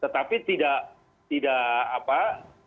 tetapi tidak tidak apa ya tidak terjadi